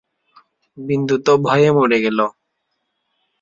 বিন্দু তো ভয়ে মরে গেল।